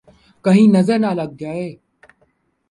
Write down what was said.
!کہیں نظر نہ لگ جائے